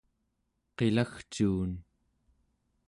qilagcuun